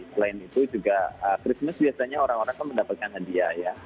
selain itu juga christmas biasanya orang orang mendapatkan hadiah ya